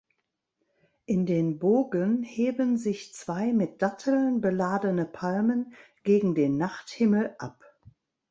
In den Bogen heben sich zwei mit Datteln beladene Palmen gegen den Nachthimmel ab.